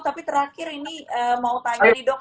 tapi terakhir ini mau tanya nih dok